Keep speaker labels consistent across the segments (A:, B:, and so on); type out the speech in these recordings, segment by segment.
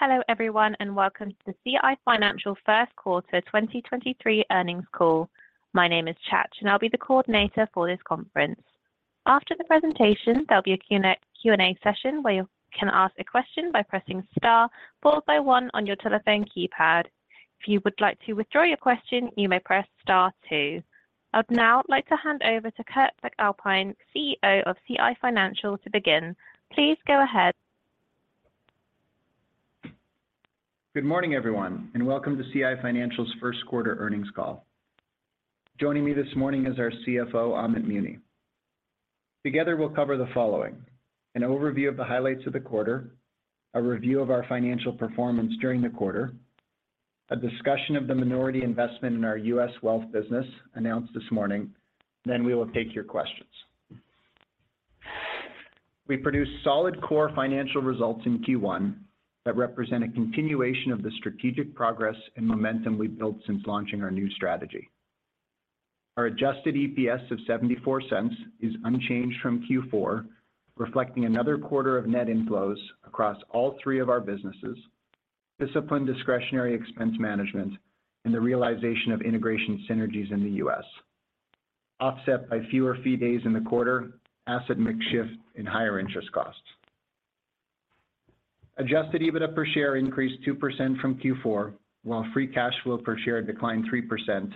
A: Hello, everyone, welcome to the CI Financial first quarter 2023 earnings call. My name is Chach, I'll be the coordinator for this conference. After the presentation, there'll be a Q and A session where you can ask a question by pressing Star followed by One on your telephone keypad. If you would like to withdraw your question, you may press Star Two. I'd now like to hand over to Kurt MacAlpine, CEO of CI Financial to begin. Please go ahead.
B: Good morning, everyone, welcome to CI Financial's first quarter earnings call. Joining me this morning is our CFO, Amit Muni. Together, we'll cover the following: an overview of the highlights of the quarter, a review of our financial performance during the quarter, a discussion of the minority investment in our US wealth business announced this morning, then we will take your questions. We produced solid core financial results in Q1 that represent a continuation of the strategic progress and momentum we've built since launching our new strategy. Our adjusted EPS of 0.74 is unchanged from Q4, reflecting another quarter of net inflows across all three of our businesses, disciplined discretionary expense management, and the realization of integration synergies in the US, offset by fewer fee days in the quarter, asset mix shift, and higher interest costs. Adjusted EBITDA per share increased 2% from Q4, while free cash flow per share declined 3%,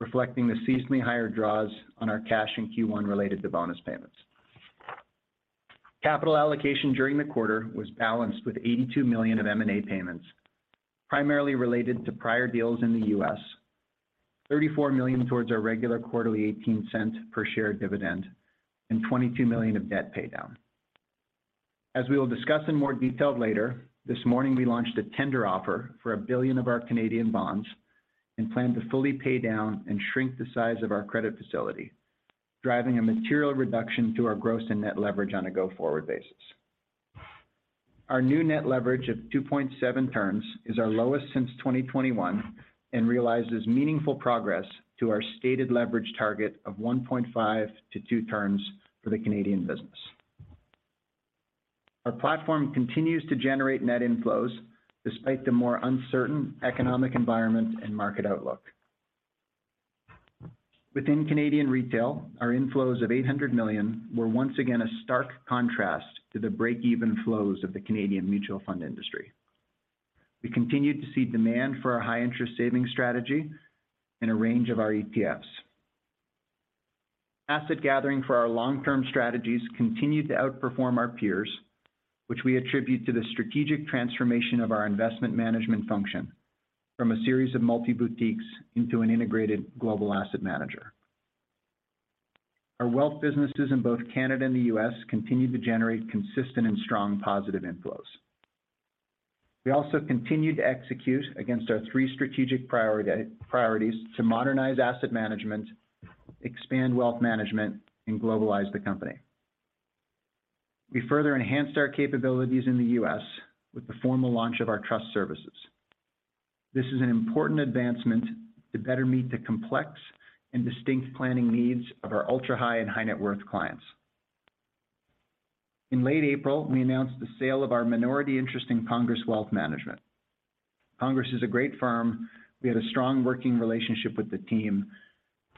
B: reflecting the seasonally higher draws on our cash in Q1 related to bonus payments. Capital allocation during the quarter was balanced with 82 million of M&A payments, primarily related to prior deals in the U.S., 34 million towards our regular quarterly 0.18 per share dividend, and 22 million of debt paydown. As we will discuss in more detail later, this morning we launched a tender offer for 1 billion of our Canadian bonds and plan to fully pay down and shrink the size of our credit facility, driving a material reduction to our gross and net leverage on a go-forward basis. Our new net leverage of 2.7x is our lowest since 2021 and realizes meaningful progress to our stated leverage target of 1.5x-2x for the Canadian business. Our platform continues to generate net inflows despite the more uncertain economic environment and market outlook. Within Canadian retail, our inflows of 800 million were once again a stark contrast to the break-even flows of the Canadian mutual fund industry. We continued to see demand for our high interest savings strategy and a range of our ETFs. Asset gathering for our long-term strategies continued to outperform our peers, which we attribute to the strategic transformation of our investment management function from a series of multi-boutiques into an integrated global asset manager. Our wealth businesses in both Canada and the U.S. continued to generate consistent and strong positive inflows. We also continued to execute against our three strategic priorities to modernize asset management, expand wealth management, and globalize the company. We further enhanced our capabilities in the U.S. with the formal launch of our trust services. This is an important advancement to better meet the complex and distinct planning needs of our ultra-high and high net worth clients. In late April, we announced the sale of our minority interest in Congress Wealth Management. Congress is a great firm. We had a strong working relationship with the team.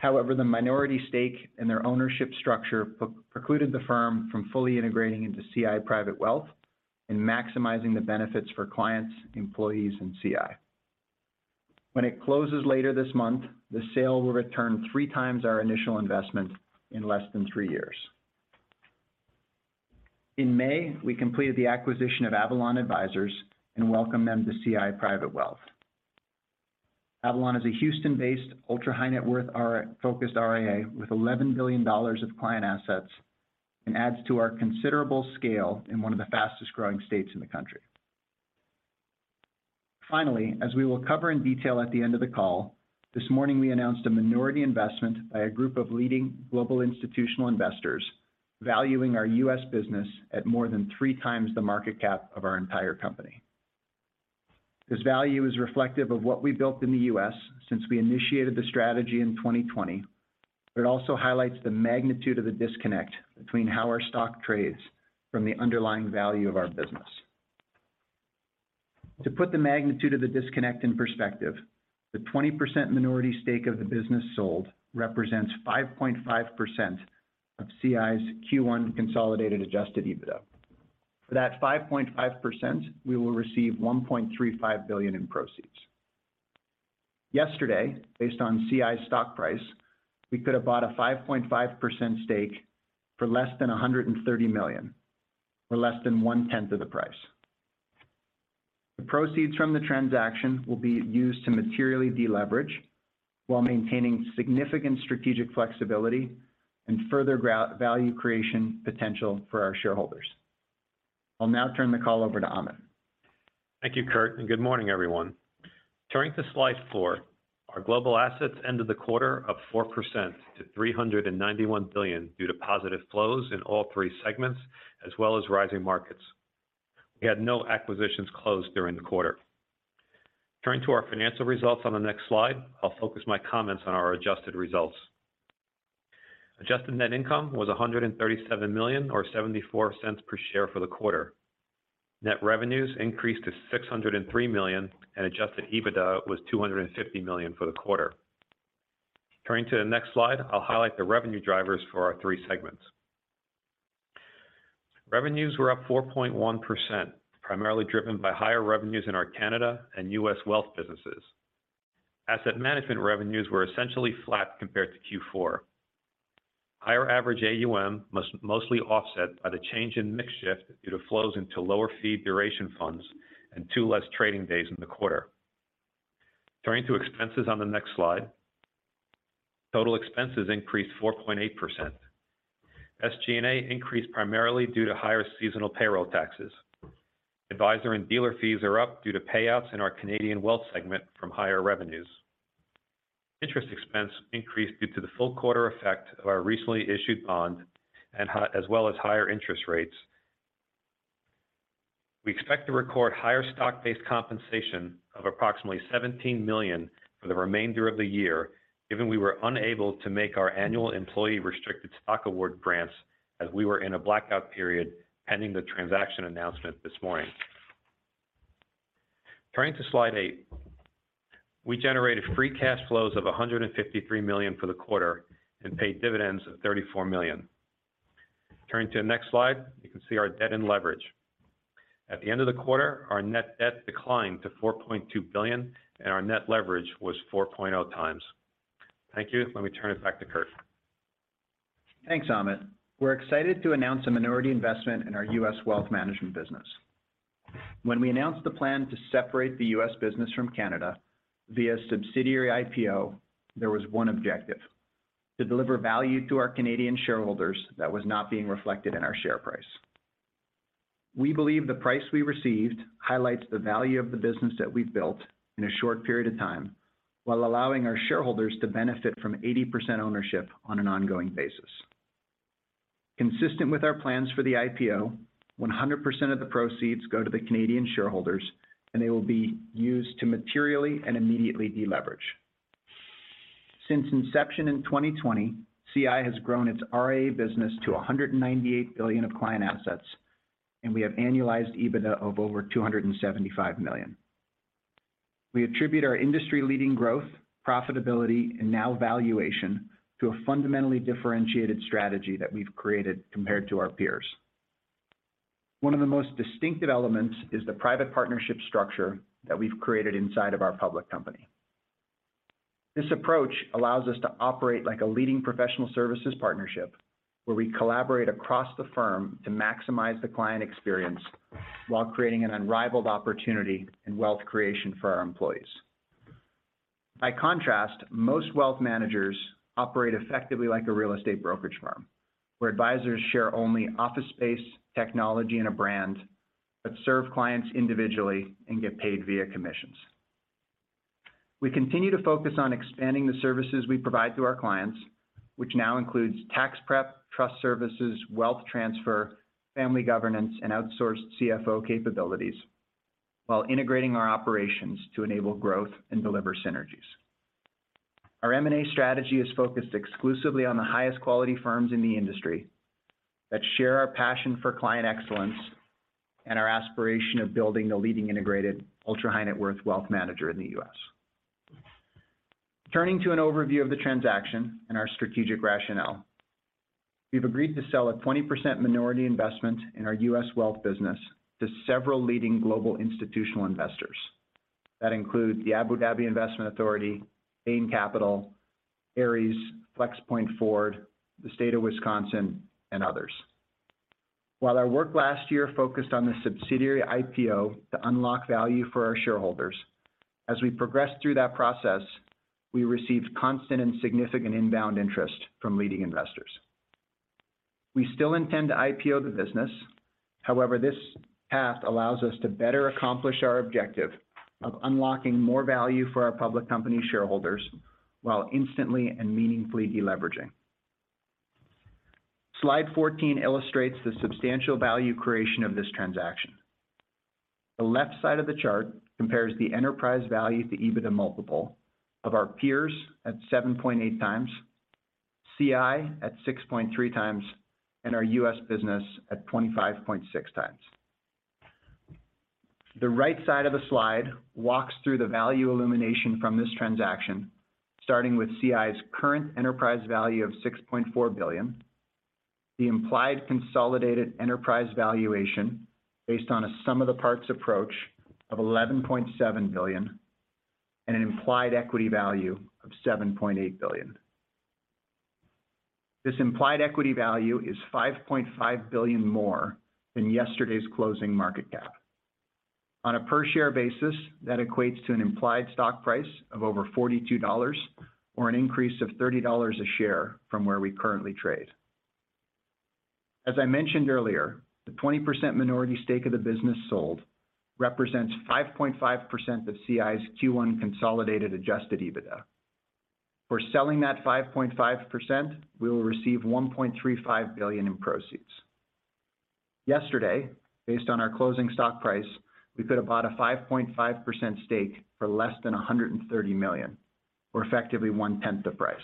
B: However, the minority stake in their ownership structure precluded the firm from fully integrating into CI Private Wealth and maximizing the benefits for clients, employees, and CI. When it closes later this month, the sale will return three times our initial investment in less than three years. In May, we completed the acquisition of Avalon Advisors and welcomed them to CI Private Wealth. Avalon is a Houston-based ultra-high net worth focused RIA with $11 billion of client assets and adds to our considerable scale in one of the fastest-growing states in the country. As we will cover in detail at the end of the call, this morning we announced a minority investment by a group of leading global institutional investors valuing our U.S. business at more than 3x the market cap of our entire company. This value is reflective of what we built in the U.S. since we initiated the strategy in 2020. It also highlights the magnitude of the disconnect between how our stock trades from the underlying value of our business. To put the magnitude of the disconnect in perspective, the 20% minority stake of the business sold represents 5.5% of CI's Q1 consolidated adjusted EBITDA. For that 5.5%, we will receive $1.35 billion in proceeds. Yesterday, based on CI's stock price, we could have bought a 5.5% stake for less than $130 million, or less than one-tenth of the price. The proceeds from the transaction will be used to materially deleverage while maintaining significant strategic flexibility and further value creation potential for our shareholders. I'll now turn the call over to Amit.
C: Thank you, Kurt. Good morning, everyone. Turning to slide four, our global assets ended the quarter up 4% to 391 billion due to positive flows in all three segments, as well as rising markets. We had no acquisitions closed during the quarter. Turning to our financial results on the next slide, I'll focus my comments on our adjusted results. Adjusted net income was 137 million, or 0.74 per share for the quarter. Net revenues increased to 603 million. Adjusted EBITDA was 250 million for the quarter. Turning to the next slide, I'll highlight the revenue drivers for our three segments. Revenues were up 4.1%, primarily driven by higher revenues in our Canada and US wealth businesses. Asset management revenues were essentially flat compared to Q4. Higher average AUM was mostly offset by the change in mix shift due to flows into lower fee duration funds and two less trading days in the quarter. Turning to expenses on the next slide. Total expenses increased 4.8%. SG&A increased primarily due to higher seasonal payroll taxes. Advisor and dealer fees are up due to payouts in our Canadian wealth segment from higher revenues. Interest expense increased due to the full quarter effect of our recently issued bond as well as higher interest rates. We expect to record higher stock-based compensation of approximately 17 million for the remainder of the year, given we were unable to make our annual employee restricted stock award grants as we were in a blackout period pending the transaction announcement this morning. Turning to slide eight. We generated free cash flows of 153 million for the quarter and paid dividends of 34 million. Turning to the next slide, you can see our debt and leverage. At the end of the quarter, our net debt declined to 4.2 billion, and our net leverage was 4.0 times. Thank you. Let me turn it back to Kurt.
B: Thanks, Amit. We're excited to announce a minority investment in our U.S. wealth management business. When we announced the plan to separate the U.S. business from Canada via subsidiary IPO, there was one objective: To deliver value to our Canadian shareholders that was not being reflected in our share price. We believe the price we received highlights the value of the business that we've built in a short period of time while allowing our shareholders to benefit from 80% ownership on an ongoing basis. Consistent with our plans for the IPO, 100% of the proceeds go to the Canadian shareholders. They will be used to materially and immediately deleverage. Since inception in 2020, CI has grown its RIA business to $198 billion of client assets. We have annualized EBITDA of over $275 million. We attribute our industry-leading growth, profitability, and now valuation to a fundamentally differentiated strategy that we've created compared to our peers. One of the most distinctive elements is the private partnership structure that we've created inside of our public company. This approach allows us to operate like a leading professional services partnership, where we collaborate across the firm to maximize the client experience while creating an unrivaled opportunity in wealth creation for our employees. By contrast, most wealth managers operate effectively like a real estate brokerage firm, where advisors share only office space, technology, and a brand, but serve clients individually and get paid via commissions. We continue to focus on expanding the services we provide to our clients, which now includes tax prep, trust services, wealth transfer, family governance, and outsourced CFO capabilities, while integrating our operations to enable growth and deliver synergies. Our M&A strategy is focused exclusively on the highest quality firms in the industry that share our passion for client excellence and our aspiration of building the leading integrated ultra-high net worth wealth manager in the U.S. Turning to an overview of the transaction and our strategic rationale. We've agreed to sell a 20% minority investment in our U.S. wealth business to several leading global institutional investors. That includes the Abu Dhabi Investment Authority, Bain Capital, Ares, Flexpoint Ford, the State of Wisconsin, and others. While our work last year focused on the subsidiary IPO to unlock value for our shareholders, as we progressed through that process, we received constant and significant inbound interest from leading investors. We still intend to IPO the business. However, this path allows us to better accomplish our objective of unlocking more value for our public company shareholders while instantly and meaningfully deleveraging. Slide 14 illustrates the substantial value creation of this transaction. The left side of the chart compares the enterprise value to EBITDA multiple of our peers at 7.8x, CI at 6.3x, and our US business at 25.6x. The right side of the slide walks through the value illumination from this transaction, starting with CI's current enterprise value of $6.4 billion, the implied consolidated enterprise valuation based on a sum of the parts approach of $11.7 billion, and an implied equity value of $7.8 billion. This implied equity value is $5.5 billion more than yesterday's closing market cap. On a per share basis, that equates to an implied stock price of over $42 or an increase of $30 a share from where we currently trade. As I mentioned earlier, the 20% minority stake of the business sold represents 5.5% of CI's Q1 consolidated adjusted EBITDA. For selling that 5.5%, we will receive 1.35 billion in proceeds. Yesterday, based on our closing stock price, we could have bought a 5.5% stake for less than 130 million, or effectively one tenth the price.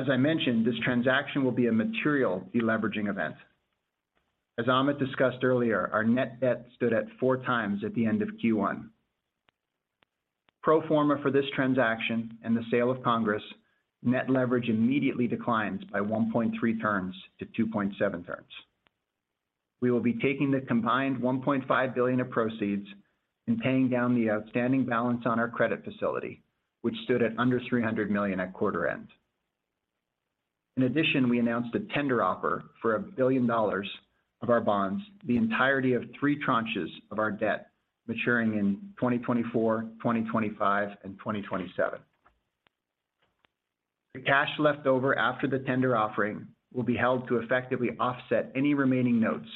B: As I mentioned, this transaction will be a material de-leveraging event. As Amit discussed earlier, our net debt stood at 4x at the end of Q1. Pro forma for this transaction and the sale of Congress, net leverage immediately declines by 1.3 turns to 2.7 turns. We will be taking the combined $1.5 billion of proceeds and paying down the outstanding balance on our credit facility, which stood at under $300 million at quarter end. In addition, we announced a tender offer for $1 billion of our bonds, the entirety of three tranches of our debt maturing in 2024, 2025, and 2027. The cash left over after the tender offering will be held to effectively offset any remaining notes,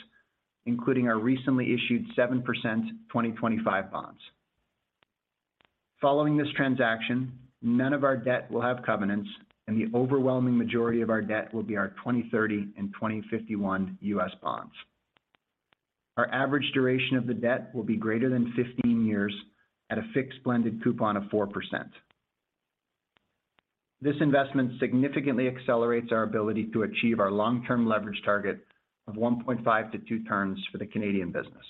B: including our recently issued 7%, 2025 bonds. Following this transaction, none of our debt will have covenants, and the overwhelming majority of our debt will be our 2030 and 2051 US bonds. Our average duration of the debt will be greater than 15 years at a fixed blended coupon of 4%. This investment significantly accelerates our ability to achieve our long-term leverage target of 1.5-2 turns for the Canadian business.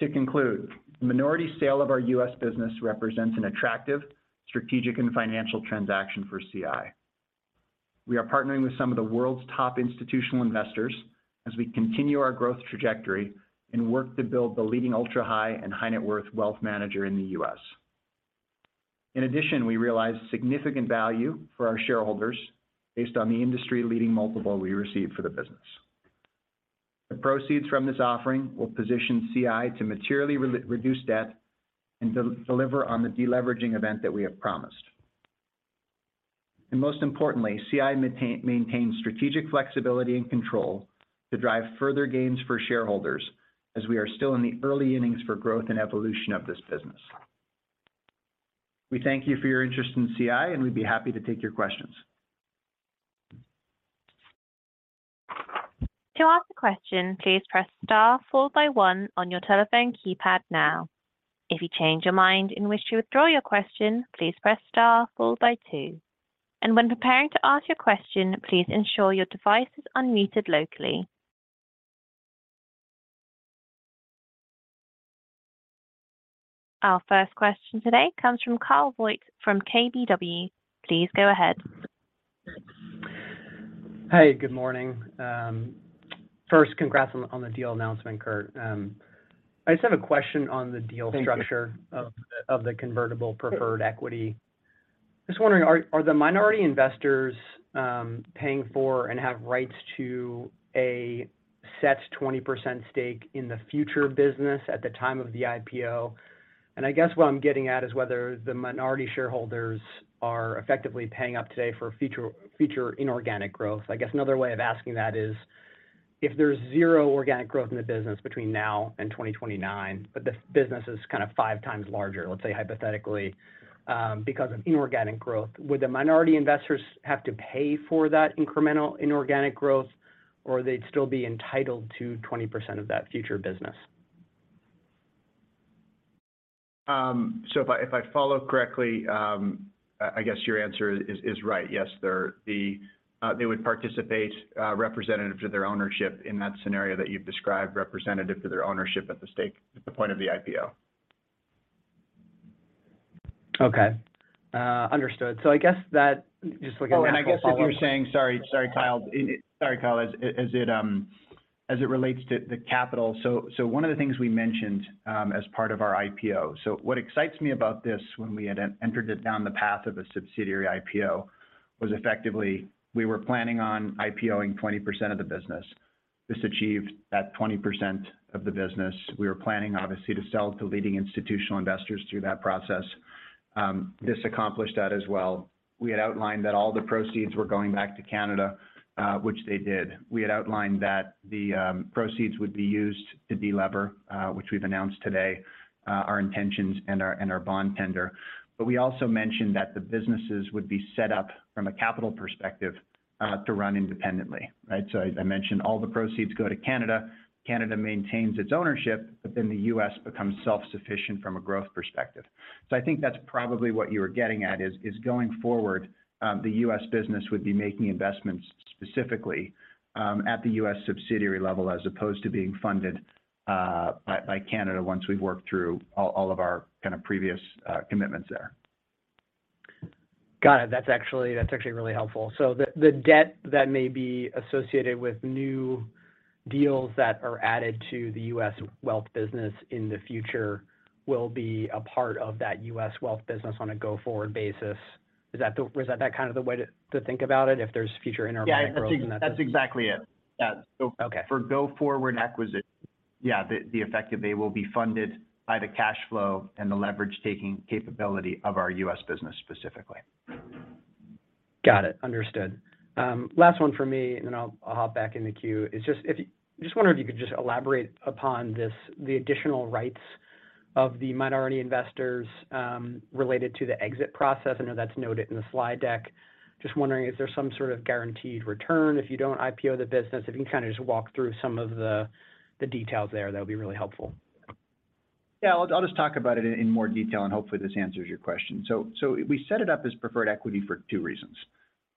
B: To conclude, the minority sale of our U.S. business represents an attractive strategic and financial transaction for CI. We are partnering with some of the world's top institutional investors as we continue our growth trajectory and work to build the leading ultra-high and high net worth wealth manager in the U.S. In addition, we realize significant value for our shareholders based on the industry-leading multiple we received for the business. The proceeds from this offering will position CI to materially reduce debt and deliver on the deleveraging event that we have promised. Most importantly, CI maintains strategic flexibility and control to drive further gains for shareholders as we are still in the early innings for growth and evolution of this business. We thank you for your interest in CI, and we'd be happy to take your questions.
A: To ask a question, please press star followed by one on your telephone keypad now. If you change your mind and wish to withdraw your question, please press star followed by two. When preparing to ask your question, please ensure your device is unmuted locally. Our first question today comes from Kyle Voigt from KBW. Please go ahead.
D: Hey, good morning. First congrats on the deal announcement, Kurt. I just have a question on the deal-
B: Thank you....
D: structure of the convertible preferred equity. Just wondering, are the minority investors paying for and have rights to a set 20% stake in the future business at the time of the IPO? I guess what I'm getting at is whether the minority shareholders are effectively paying up today for future inorganic growth. I guess another way of asking that is, if there's 0 organic growth in the business between now and 2029, but this business is kind of 5 times larger, let's say hypothetically, because of inorganic growth. Would the minority investors have to pay for that incremental inorganic growth or they'd still be entitled to 20% of that future business?
B: If I, if I follow correctly, I guess your answer is right. Yes. They're the. They would participate, representative to their ownership in that scenario that you've described, representative to their ownership at the stake, at the point of the IPO.
D: Okay. Understood.
B: I guess if you were saying... Sorry Kyle. As it relates to the capital, one of the things we mentioned as part of our IPO. What excites me about this when we had entered it down the path of a subsidiary IPO, was effectively we were planning on IPO-ing 20% of the business. This achieved that 20% of the business. We were planning obviously to sell to leading institutional investors through that process. This accomplished that as well. We had outlined that all the proceeds were going back to Canada, which they did. We had outlined that the proceeds would be used to delever, which we've announced today, our intentions and our bond tender. We also mentioned that the businesses would be set up from a capital perspective to run independently, right? As I mentioned, all the proceeds go to Canada. Canada maintains its ownership. The U.S. becomes self-sufficient from a growth perspective. I think that's probably what you were getting at is going forward, the U.S. business would be making investments specifically at the U.S. subsidiary level as opposed to being funded by Canada once we've worked through all of our kind of previous commitments there.
D: Got it. That's actually really helpful. The debt that may be associated with new deals that are added to the U.S. wealth business in the future will be a part of that U.S. wealth business on a go-forward basis. Was that kind of the way to think about it if there's future inorganic growth in that business?
B: Yeah. That's exactly it. Yeah.
D: Okay.
B: for go forward acquisitions, yeah, the effect that they will be funded by the cash flow and the leverage-taking capability of our US business specifically.
D: Got it. Understood. Last one for me, and then I'll hop back in the queue. Just wondering if you could just elaborate upon this, the additional rights? Of the minority investors, related to the exit process. I know that's noted in the slide deck. Just wondering, is there some sort of guaranteed return if you don't IPO the business? If you can kinda just walk through some of the details there, that would be really helpful.
B: Yeah. I'll just talk about it in more detail, and hopefully this answers your question. We set it up as preferred equity for two reasons.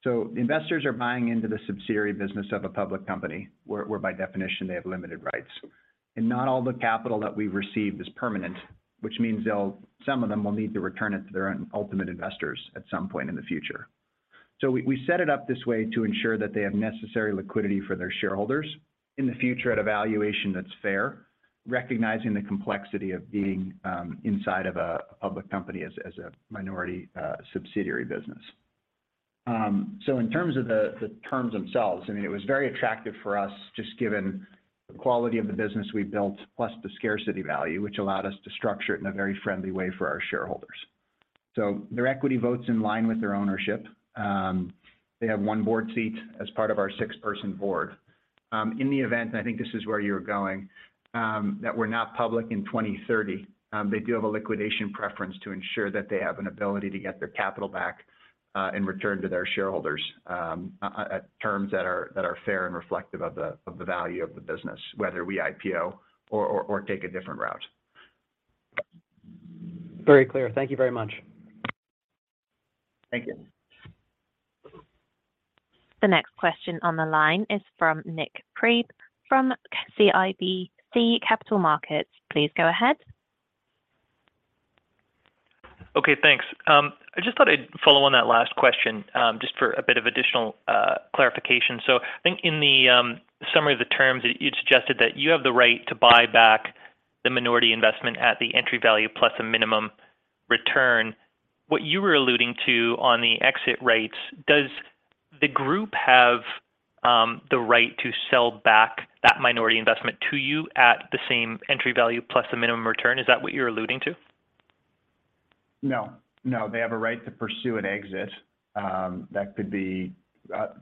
B: Investors are buying into the subsidiary business of a public company where by definition they have limited rights. Not all the capital that we've received is permanent, which means some of them will need to return it to their own ultimate investors at some point in the future. We set it up this way to ensure that they have necessary liquidity for their shareholders in the future at a valuation that's fair, recognizing the complexity of being inside of a public company as a minority subsidiary business. In terms of the terms themselves, I mean, it was very attractive for us just given the quality of the business we built, plus the scarcity value, which allowed us to structure it in a very friendly way for our shareholders. Their equity votes in line with their ownership. They have 1 board seat as part of our six-person board. In the event, I think this is where you're going, that we're not public in 2030, they do have a liquidation preference to ensure that they have an ability to get their capital back and return to their shareholders at terms that are fair and reflective of the value of the business, whether we IPO or take a different route.
D: Very clear. Thank you very much.
B: Thank you.
A: The next question on the line is from Nik Priebe from CIBC Capital Markets. Please go ahead.
E: Okay. Thanks. I just thought I'd follow on that last question, just for a bit of additional clarification. I think in the summary of the terms, you suggested that you have the right to buy back the minority investment at the entry value plus a minimum return. What you were alluding to on the exit rates, does the group have the right to sell back that minority investment to you at the same entry value plus the minimum return? Is that what you're alluding to?
B: No. No. They have a right to pursue an exit, that could be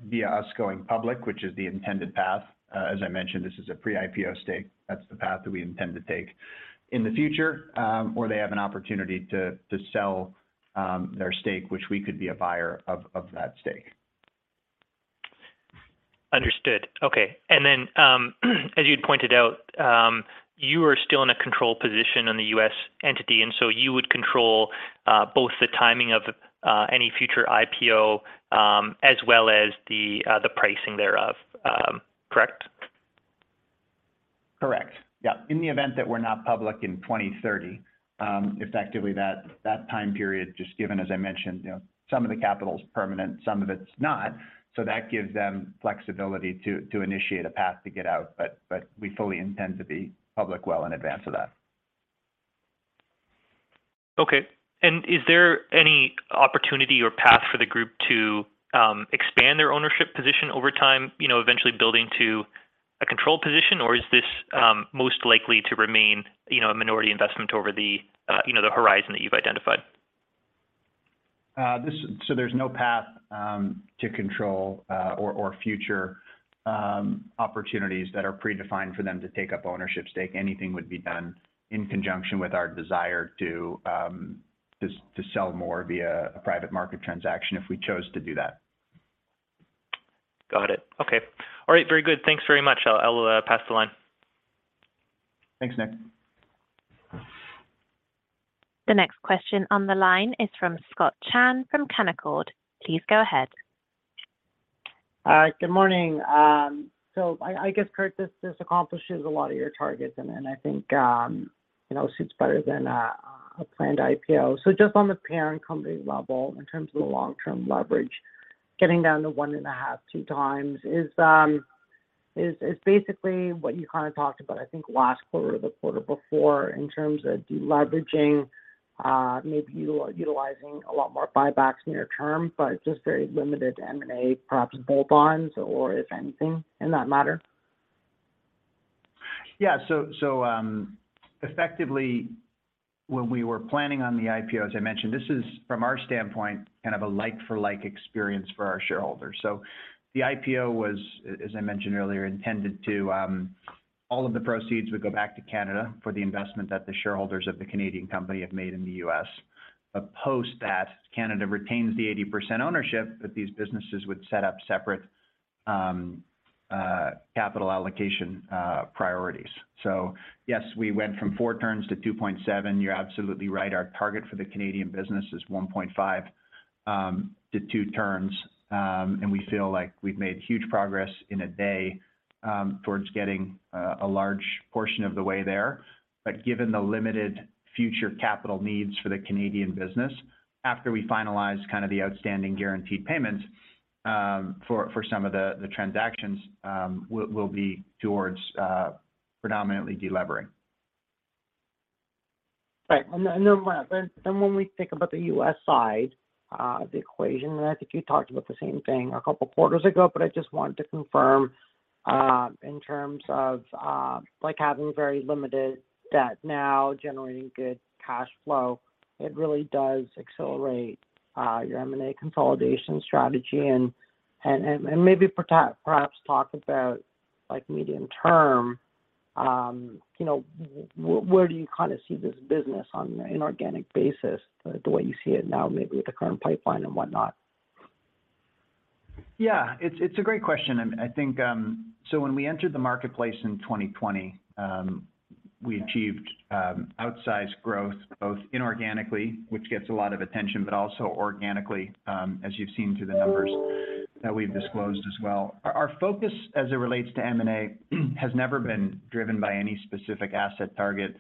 B: via us going public, which is the intended path. As I mentioned, this is a pre-IPO stake. That's the path that we intend to take. In the future, or they have an opportunity to sell their stake, which we could be a buyer of that stake.
E: Understood. Okay. As you'd pointed out, you are still in a control position on the U.S. entity, so you would control both the timing of any future IPO, as well as the pricing thereof, correct?
B: Correct. Yeah. In the event that we're not public in 2030, effectively that time period just given, as I mentioned, you know, some of the capital is permanent, some of it's not, so that gives them flexibility to initiate a path to get out. We fully intend to be public well in advance of that.
E: Okay. Is there any opportunity or path for the group to expand their ownership position over time, you know, eventually building to a control position? Is this most likely to remain, you know, a minority investment over the, you know, the horizon that you've identified?
B: There's no path to control, or future opportunities that are predefined for them to take up ownership stake. Anything would be done in conjunction with our desire to sell more via a private market transaction if we chose to do that.
E: Got it. Okay. All right. Very good. Thanks very much. I'll pass the line.
B: Thanks, Nik.
A: The next question on the line is from Scott Chan from Canaccord. Please go ahead.
F: Good morning. I guess, Kurt, this accomplishes a lot of your targets, and I think, you know, suits better than a planned IPO. Just on the parent company level in terms of the long-term leverage, getting down to 1.5, two times is basically what you kinda talked about, I think, last quarter or the quarter before in terms of deleveraging, maybe utilizing a lot more buybacks near term, but just very limited M&A, perhaps bull bonds or if anything in that matter.
B: Yeah. Effectively, when we were planning on the IPO, as I mentioned, this is from our standpoint, kind of a like for like experience for our shareholders. The IPO was, as I mentioned earlier, intended to, all of the proceeds would go back to Canada for the investment that the shareholders of the Canadian company have made in the U.S. A post that Canada retains the 80% ownership that these businesses would set up separate capital allocation priorities. Yes, we went from 4 turns to 2.7. You're absolutely right. Our target for the Canadian business is 1.5 to two turns. We feel like we've made huge progress in a day towards getting a large portion of the way there. Given the limited future capital needs for the Canadian business, after we finalize kind of the outstanding guaranteed payments, for some of the transactions, will be towards predominantly delevering.
F: Right. When we think about the U.S. side, the equation, and I think you talked about the same thing a couple of quarters ago, but I just wanted to confirm, in terms of, like having very limited debt now generating good cash flow, it really does accelerate your M&A consolidation strategy, and perhaps talk about like medium term, you know, where do you kind of see this business on an inorganic basis, the way you see it now, maybe with the current pipeline and what not?
B: Yeah. It's, it's a great question, and I think. When we entered the marketplace in 2020, we achieved outsized growth both inorganically, which gets a lot of attention, but also organically, as you've seen through the numbers that we've disclosed as well. Our, our focus as it relates to M&A has never been driven by any specific asset target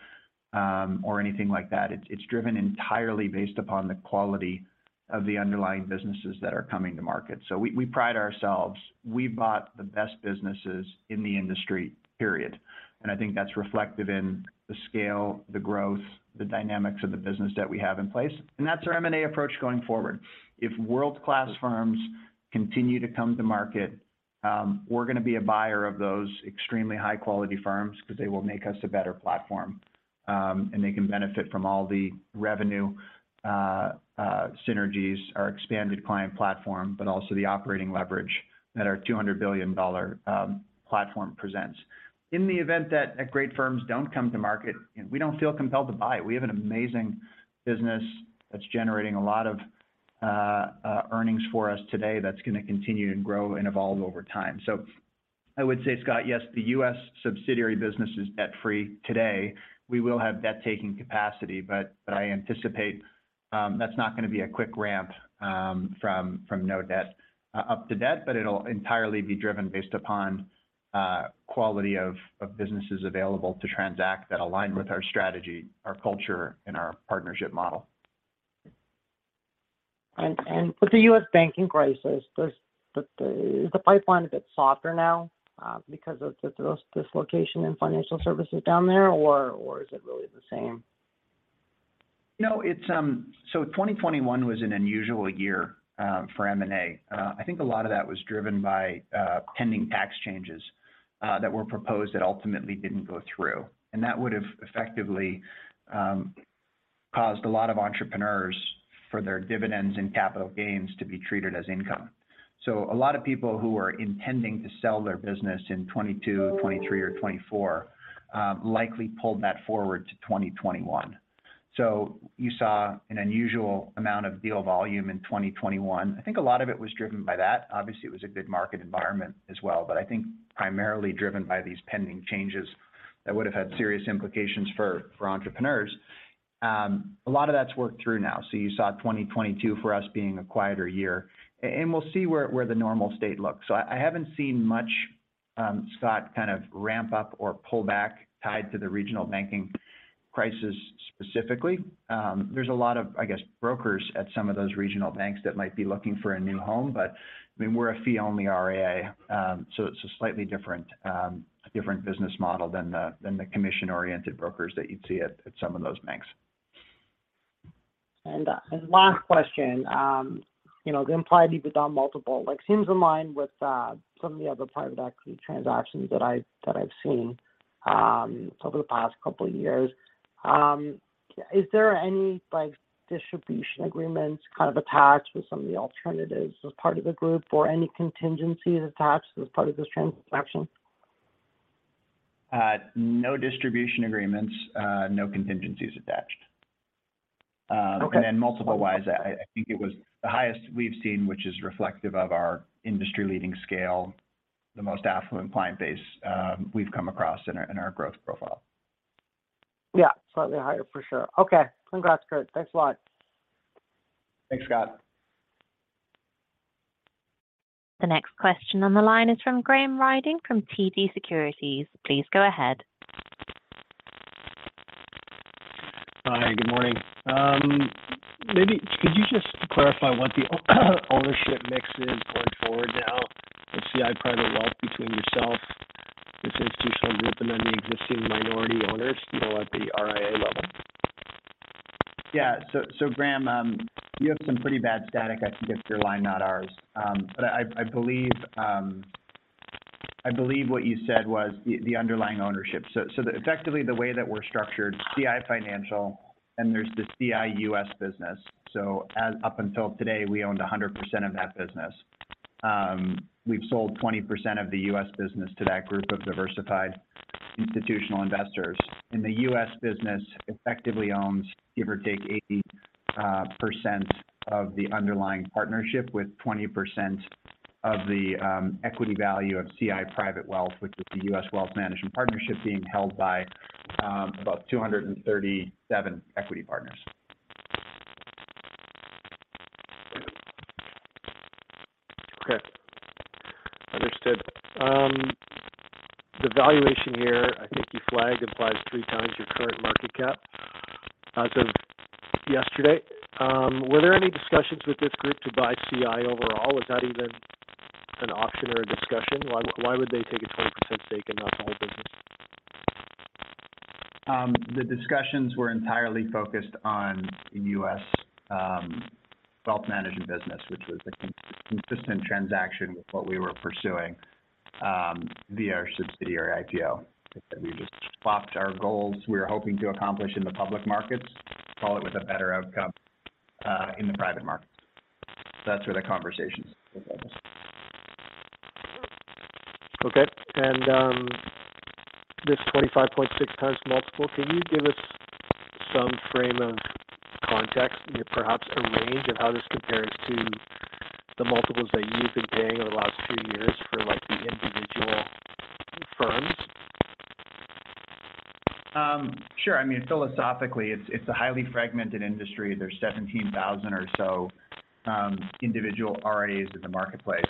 B: or anything like that. It's, it's driven entirely based upon the quality of the underlying businesses that are coming to market. We, we pride ourselves. We bought the best businesses in the industry, period. I think that's reflected in the scale, the growth, the dynamics of the business that we have in place, and that's our M&A approach going forward. If world-class firms continue to come to market, we're gonna be a buyer of those extremely high quality firms because they will make us a better platform. They can benefit from all the revenue synergies, our expanded client platform, but also the operating leverage that our $200 billion platform presents. In the event that a great firms don't come to market, you know, we don't feel compelled to buy it. We have an amazing business that's generating a lot of earnings for us today that's gonna continue to grow and evolve over time. I would say, Scott, yes, the US subsidiary business is debt-free today. We will have debt taking capacity, but I anticipate, that's not gonna be a quick ramp, from no debt, up to debt, but it'll entirely be driven based upon, quality of businesses available to transact that align with our strategy, our culture, and our partnership model.
F: With the U.S. banking crisis, is the pipeline a bit softer now, because of the dislocation in financial services down there, or is it really the same?
B: No. It's, 2021 was an unusual year for M&A. I think a lot of that was driven by pending tax changes that were proposed that ultimately didn't go through. That would have effectively caused a lot of entrepreneurs for their dividends and capital gains to be treated as income. A lot of people who were intending to sell their business in 2022, 2023 or 2024 likely pulled that forward to 2021. You saw an unusual amount of deal volume in 2021. I think a lot of it was driven by that. Obviously, it was a good market environment as well. I think primarily driven by these pending changes that would have had serious implications for entrepreneurs. A lot of that's worked through now. You saw 2022 for us being a quieter year, and we'll see where the normal state looks. I haven't seen much, Scott, kind of ramp up or pull back tied to the regional banking crisis specifically. There's a lot of, I guess, brokers at some of those regional banks that might be looking for a new home. I mean, we're a fee-only RIA, so it's a slightly different business model than the, than the commission-oriented brokers that you'd see at some of those banks.
F: Last question. You know, the implied EBITDA multiple, like, seems in line with some of the other private equity transactions that I've seen over the past couple years. Is there any, like, distribution agreements kind of attached with some of the alternatives as part of the group or any contingencies attached as part of this transaction?
B: No distribution agreements, no contingencies attached.
F: Okay.
B: Multiple-wise, I think it was the highest we've seen, which is reflective of our industry-leading scale, the most affluent client base, we've come across in our growth profile.
F: Yeah. Slightly higher for sure. Okay. Congrats, Kurt. Thanks a lot.
B: Thanks, Scott.
A: The next question on the line is from Graham Ryding from TD Securities. Please go ahead.
G: Hi. Good morning. maybe could you just clarify what the ownership mix is going forward now with CI Private Wealth between yourself, this institutional group, and then the existing minority owners, you know, at the RIA level?
B: Graham, you have some pretty bad static. I think it's your line, not ours. But I believe what you said was the underlying ownership. Effectively the way that we're structured, CI Financial and there's the CI U.S. business. Up until today, we owned 100% of that business. We've sold 20% of the U.S. business to that group of diversified institutional investors. The U.S. business effectively owns, give or take, 80% of the underlying partnership with 20% of the equity value of CI Private Wealth, which is the U.S. wealth management partnership being held by about 237 equity partners.
G: Kurt, understood. The valuation here, I think you flagged it by 3 times your current market cap as of yesterday. Were there any discussions with this group to buy CI overall? Was that even an option or a discussion? Why, why would they take a 20% stake and not the whole business?
B: The discussions were entirely focused on the U.S. wealth management business, which was a consistent transaction with what we were pursuing via our subsidiary IPO. We just swapped our goals we were hoping to accomplish in the public markets, call it with a better outcome in the private markets. That's where the conversation is at this.
G: Okay. This 25.6x multiple, can you give us some frame of context, perhaps a range of how this compares to the multiples that you've been paying over the last few years for like the individual firms?
B: Sure. I mean, philosophically, it's a highly fragmented industry. There's 17,000 or so individual RIAs in the marketplace.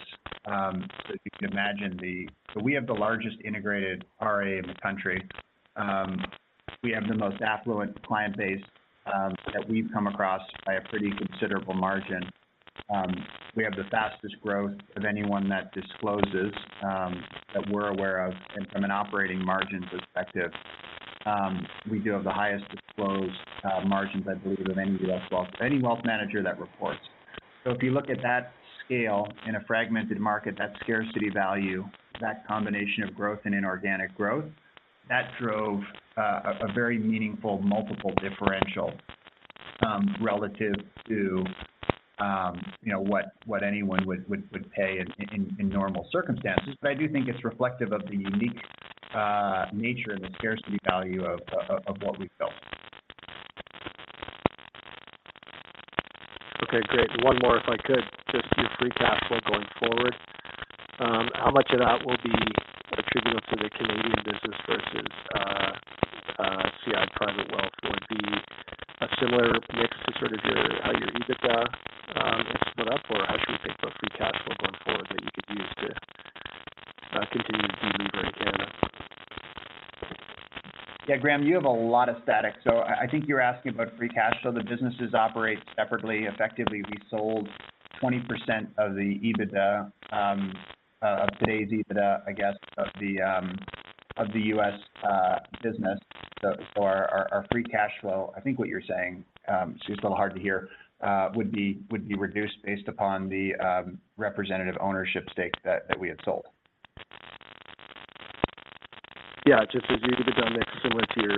B: So you can imagine. We have the largest integrated RIA in the country. We have the most affluent client base that we've come across by a pretty considerable margin. We have the fastest growth of anyone that discloses that we're aware of. From an operating margins perspective, we do have the highest disclosed margins, I believe, of any wealth manager that reports. If you look at that scale in a fragmented market, that scarcity value, that combination of growth and inorganic growth, that drove a very meaningful multiple differential relative to, you know, what anyone would pay in normal circumstances. I do think it's reflective of the unique nature and the scarcity value of what we've built.
G: Okay, great. One more, if I could. Just your free cash flow going forward, how much of that will be attributable to the Canadian business versus CI Private Wealth? Will it be a similar mix to sort of how your EBITDA is split up? How should we think about free cash flow going forward that you could use to continue to de-leverage Canada?
B: Yeah, Graham, you have a lot of static. I think you're asking about free cash flow. The businesses operate separately. Effectively, we sold 20% of the EBITDA of today's EBITDA, I guess, of the U.S. business. For our free cash flow, I think what you're saying, it's just a little hard to hear, would be reduced based upon the representative ownership stakes that we had sold.
G: Yeah, just is EBITDA mix similar to your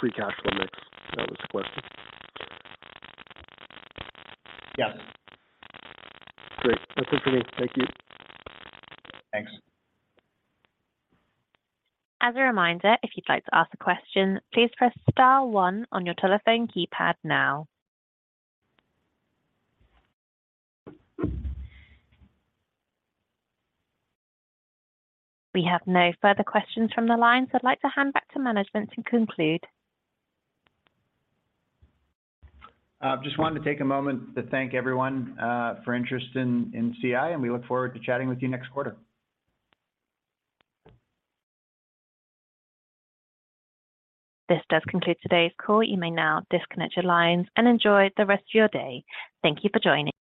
G: free cash flow mix? That was the question.
B: Yes.
G: Great. That's it for me. Thank you.
B: Thanks.
A: As a reminder, if you'd like to ask a question, please press star one on your telephone keypad now. We have no further questions from the lines. I'd like to hand back to management to conclude.
B: I just wanted to take a moment to thank everyone, for interest in CI. We look forward to chatting with you next quarter.
A: This does conclude today's call. You may now disconnect your lines and enjoy the rest of your day. Thank you for joining.